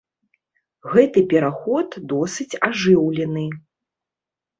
Гэты пераход досыць ажыўлены.